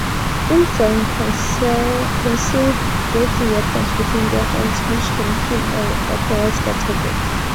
Autons conceal deadly weapons within their hands, which can kill or vaporize their targets.